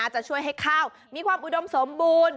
จะช่วยให้ข้าวมีความอุดมสมบูรณ์